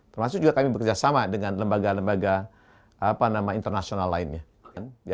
termasuk juga kami bekerjasama dengan lembaga lembaga internasional lainnya